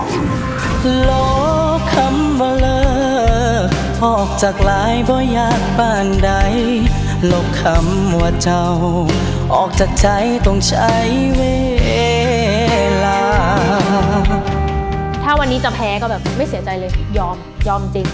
ถ้าวันนี้จะแพ้ก็แบบไม่เสียใจเลยยอมยอมจริง